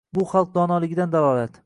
Buxalq donoligidan dalolat